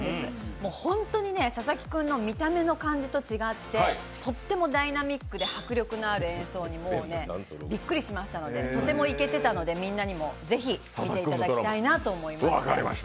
もうほんっとにね、佐々木君の見た目の感じと違ってとってもダイナミックで迫力のある演奏にびっくりしましたので、とてもイケてたので、みんなにもぜひ見ていただきたいなと思いまして。